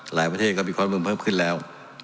หลายประเทศก็มีความนุ่มเพิ่มขึ้นแล้ว